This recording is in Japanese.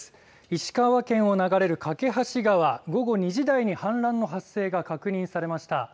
石川県を流れる梯川は午後２時台に氾濫の発生が確認されました。